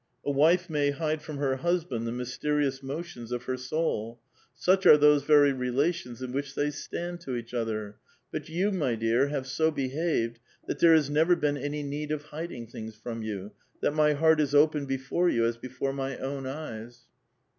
A wife may hide from her hus band the mysterious motions of her soul ; such arc those very relations in which they stand to each other. But you, my dear, iiave so behaved that there has never been any need of hiding things from you, that my heart is open before you as before ray own eyes."